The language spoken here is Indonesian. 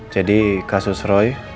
jadi kasus roy